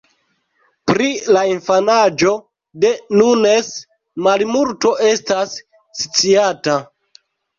Pri la infanaĝo de Nunes malmulto estas sciata.